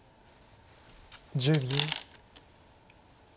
１０秒。